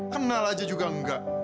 kenal aja juga enggak